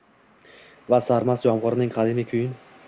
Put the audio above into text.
Va sarmast yomg’irning qadimiy kuyin